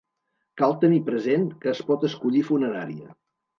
Cal tenir present que es pot escollir funerària.